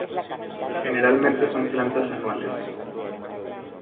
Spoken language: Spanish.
Generalmente son plantas anuales.